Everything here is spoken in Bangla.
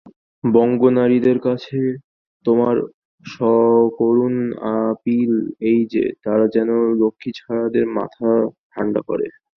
বঙ্গনারীদের কাছে তোমার সকরুণ আপিল এই যে, তারা যেন লক্ষ্ণীছাড়াদের মাথা ঠাণ্ডা করে।